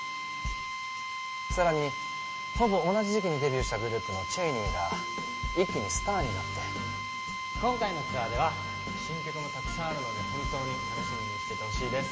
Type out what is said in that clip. さらにほぼ同じ時期にデビューしたグループのＣＨＡＹＮＥＹが一気にスターになって今回のツアーでは新曲もたくさんあるので本当に楽しみにしててほしいです